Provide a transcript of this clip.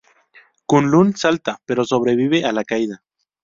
Kunlun salta pero sobrevive a la caída.